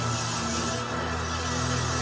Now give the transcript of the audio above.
nasi goreng kamu luar biasa ma